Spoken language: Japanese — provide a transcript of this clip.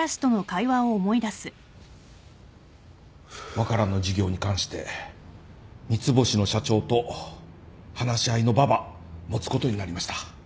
ワカランの事業に関して三ツ星の社長と話し合いの場ば持つことになりました